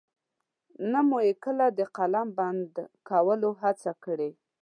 نه مو يې کله د قلم بند کولو هڅه کړې.